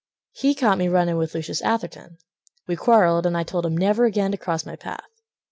He caught me running with Lucius Atherton. We quarreled and I told him never again To cross my path.